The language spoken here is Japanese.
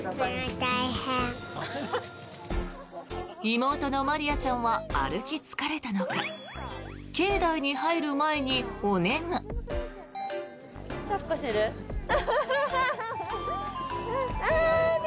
妹の茉吏杏ちゃんは歩き疲れたのか境内に入る前にお眠。